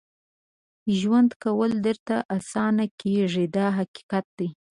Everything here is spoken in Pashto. ژوند کول درته اسانه کېږي دا حقیقت دی.